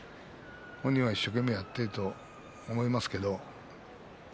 本人は一生懸命やってると思います。